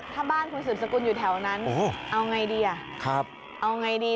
ถ้าบ้านคุณศูนย์สกุลอยู่แถวนั้นเอาไงดี